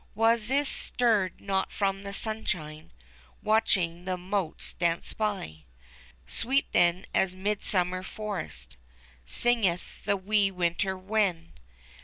Wasis stirred not from the sunshine. Watching the motes dance by. Sweet, then, as 'mid summer forest Singeth the wee winter wren.